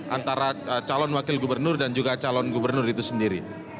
antara calon wakil gubernur dan juga calon gubernur itu sendiri